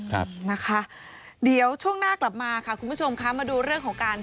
ครับนะคะเดี๋ยวช่วงหน้ากลับมาค่ะคุณผู้ชมคะมาดูเรื่องของการ